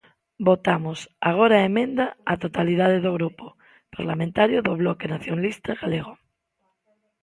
Votamos agora a emenda á totalidade do Grupo Parlamentario do Bloque Nacionalista Galego.